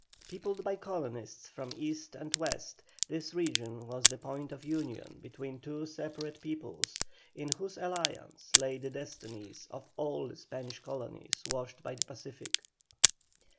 Peopled by colonists from East and West, this region was the point of union between two separate peoples, in whose alliance lay the destinies of all the Spanish colonies washed by the Pacific.